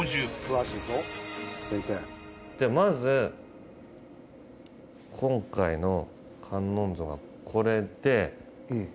まず今回の観音像がこれで。